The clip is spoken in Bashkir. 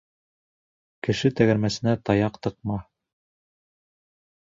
Кеше тәгәрмәсенә таяҡ тыҡма.